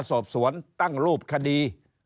สอบสวนตั้งรูปคดี